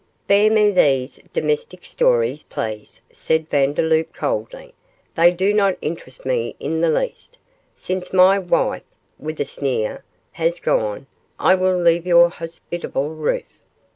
'Spare me these domestic stories, please,' said Vandeloup, coldly, 'they do not interest me in the least; since my "wife",' with a sneer, 'has gone, I will leave your hospitable roof.